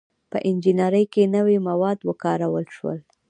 • په انجینرۍ کې نوي مواد وکارول شول.